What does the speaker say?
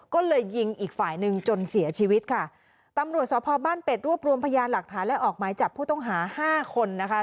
ก็เลยยิงอีกฝ่ายหนึ่งจนเสียชีวิตค่ะตำรวจสพบ้านเป็ดรวบรวมพยานหลักฐานและออกหมายจับผู้ต้องหาห้าคนนะคะ